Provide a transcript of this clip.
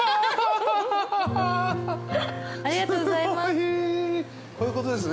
ありがとうございます。